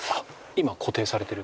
今固定されてる？